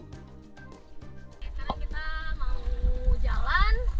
sekarang kita mau jalan